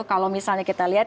kalau misalnya kita lihat